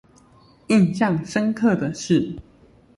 印象深刻的是